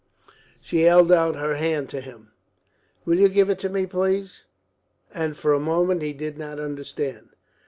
She held out her hand to him. "Will you give it me, please?" And for a moment he did not understand.